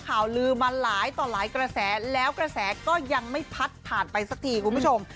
ข่าวลือมาหลายต่อหลายกระแสแล้วกระแสก็ยังไม่พัดผ่านไปสักทีคุณผู้ชม